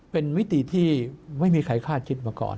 เป็นมิติที่ไม่มีใครคาดคิดมาก่อน